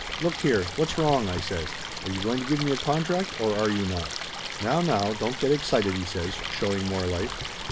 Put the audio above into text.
"Look here, what's wrong?" I says. "Are you going to give me a contract or are you not?" "Now, now, don't get excited!" he says, showing more life.